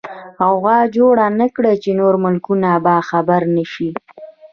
غوغا جوړه نکې چې نور ملکونه خبر نشي.